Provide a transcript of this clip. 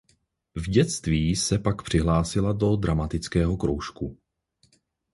V dětství se pak přihlásila do dramatického kroužku.